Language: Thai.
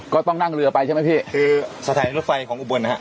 ก็ต้องนั่งเรือไปใช่ไหมพี่คือสถานีรถไฟของอุบลนะฮะ